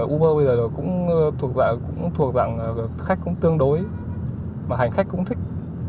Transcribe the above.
uber bây giờ cũng thuộc rằng khách cũng tương đối mà hành khách cũng thích